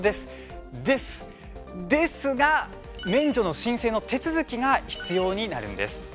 ですですが、免除の申請の手続きが必要になるんです。